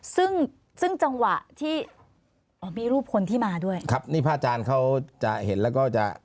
ซึ่งซึ่งจังหวะที่อ๋อมีรูปคนที่มาด้วยครับนี่พระอาจารย์เขาจะเห็นแล้วก็จะ